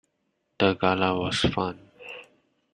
The Gala was fun.